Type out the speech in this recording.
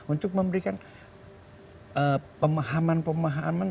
untuk memberikan pemahaman pemahaman